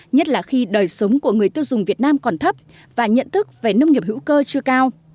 nhất là khi đời sống của người tiêu dùng việt nam còn thấp và nhận thức về nông nghiệp hữu cơ chưa cao